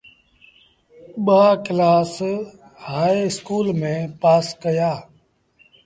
ٻآ ڪلآس هآئي اسڪول ميݩ پآس ڪيآ۔